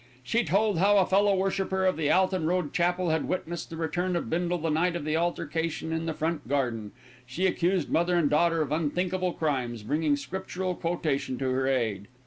She told how a fellow worshipper at the Alton Road Chapel had witnessed the return of Bindle the night of the altercation in the front garden. She accused mother and daughter of unthinkable crimes, bringing Scriptural quotation to her aid.